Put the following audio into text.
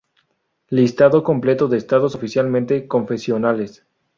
Listado completo de Estados oficialmente confesionales.